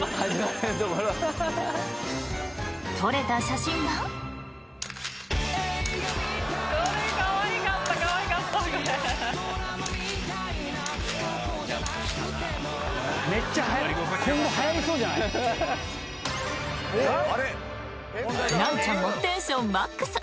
撮れた写真がナンチャンもテンションマックス！